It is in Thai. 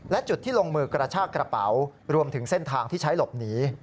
และจุดที่ลงมือกระชากระเป๋ารวมถึงเส้นทางที่ใช้หลบหนี